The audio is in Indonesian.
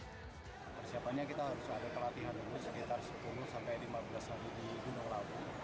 persiapannya kita harus ada pelatihan dulu sekitar sepuluh sampai lima belas lagu di gunung rabu